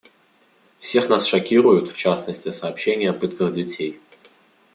Всех нас шокируют, в частности, сообщения о пытках детей.